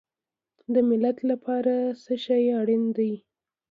د ملت لپاره څه شی اړین دی؟